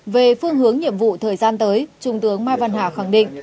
về phương hướng nhiệm vụ thời gian tới trung tướng mai văn hà khẳng định